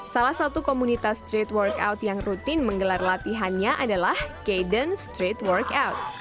salah satu komunitas street workout yang rutin menggelar latihannya adalah gaden street workout